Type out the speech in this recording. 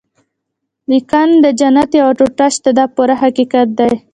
لیکن د جنت یوه ټوټه شته دا پوره حقیقت دی.